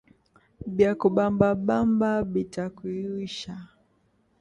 Bya kubambabamba bita kuuwisha